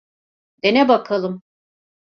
Dene bakalım.